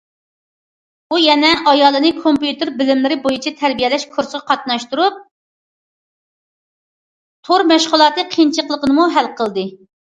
ئۇ يەنە ئايالىنى كومپيۇتېر بىلىملىرى بويىچە تەربىيەلەش كۇرسىغا قاتناشتۇرۇپ، تور مەشغۇلاتى قىيىنچىلىقىنىمۇ ھەل قىلدى.